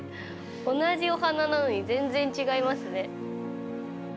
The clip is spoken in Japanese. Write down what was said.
同じお花なのに全然違いますね。